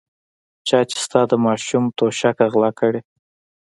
چا چې ستا د ماشوم توشکه غلا کړې.